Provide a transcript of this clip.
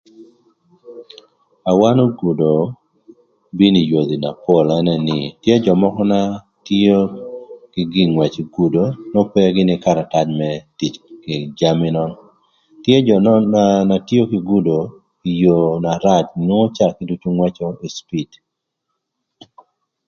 Awano gudo bino ï yodhi na pol ënë nï tye jö mökö na tio kï gï ngwëc ï gudo n'ope gïnï kï karatac më tic kï jami nön tye jö nökënë na tio kï gudo ï yoo na rac inwongo caa kiducu ngwëcö ï cipid.